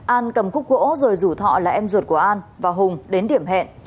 an cầm cúc gỗ rồi rủ thọ là em ruột của an và hùng đến điểm hẹn